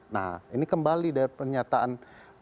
nah ini kembali dari pernyataan